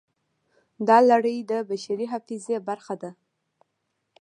دا لړۍ د بشري حافظې برخه ده.